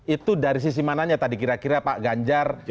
itu dari sisi mananya tadi kira kira pak ganjar